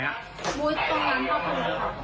ตรงร้านพระปูครับ